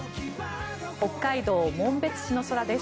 北海道紋別市の空です。